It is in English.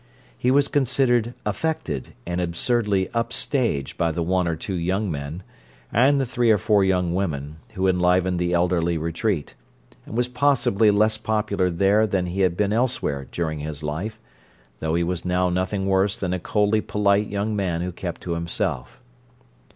He was considered "affected" and absurdly "up stage" by the one or two young men, and the three or four young women, who enlivened the elderly retreat; and was possibly less popular there than he had been elsewhere during his life, though he was now nothing worse than a coldly polite young man who kept to himself.